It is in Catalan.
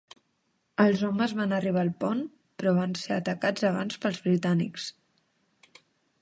Els homes van arribar al pont, però van ser atacats abans pels britànics.